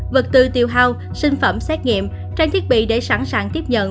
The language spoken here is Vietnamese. vật tư tiêu hao sinh phẩm xét nghiệm trang thiết bị để sẵn sàng tiếp nhận